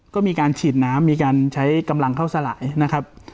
ก็มีการฉีดน้ำมีการใช้กำลังเข้าสลายนะครับ